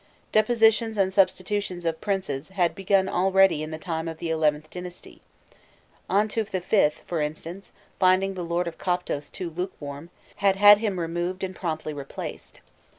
Depositions and substitutions of princes had begun already in the time of the XIth dynasty. Antûf V., for instance, finding the lord of Koptos too lukewarm, had had him removed and promptly replaced.